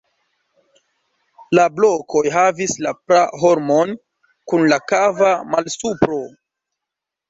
La blokoj havis la pra-formon, kun la kava malsupro.